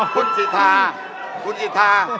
คุณสิทธาคุณสิทธา